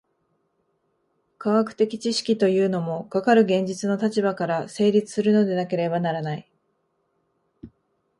科学的知識というのも、かかる現実の立場から成立するのでなければならない。